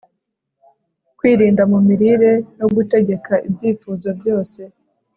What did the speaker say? Kwirinda mu mirire no gutegeka ibyifuzo byose